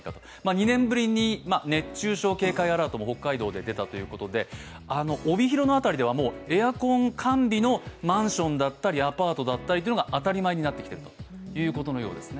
２年ぶりに熱中症警戒アラートも北海道で出たということで、帯広の辺りではエアコン完備のマンションだったりアパートだったりというのが当たり前になってきているということのようですね。